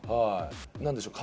何でしょう？